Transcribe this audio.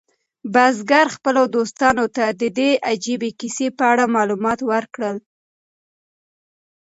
بزګر خپلو دوستانو ته د دې عجیبه کیسې په اړه معلومات ورکړل.